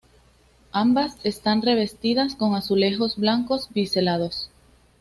Ambas están revestidas con azulejos blancos biselados.